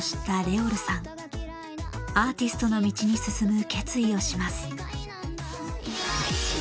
アーティストの道に進む決意をします。